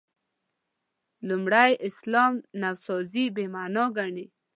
لومړي اسلام نوسازي «بې معنا» ګڼي.